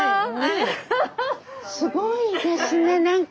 すごいですね何か。